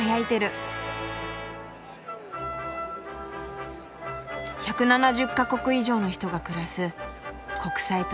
１７０か国以上の人が暮らす国際都市ブリュッセル。